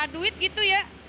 duit gitu ya